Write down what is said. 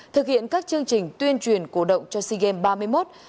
thực hiện các chương trình tuyên truyền cổ động cho sea games ba mươi một